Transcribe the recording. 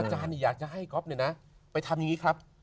อาจารย์เนี่ยอยากจะให้ก๊อบเนี่ยนะไปทำอย่างนี้ครับ